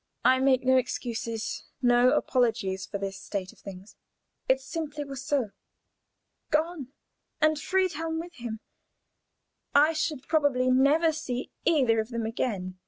I make no excuses, no apologies for this state of things. It simply was so. Gone! And Friedhelm with him! I should probably never see either of them again.